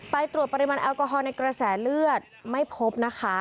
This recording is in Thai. ตรวจปริมาณแอลกอฮอลในกระแสเลือดไม่พบนะคะ